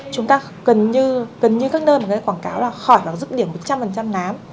chúng ta gần như các nơi quảng cáo là khỏi dứt điểm một trăm linh nám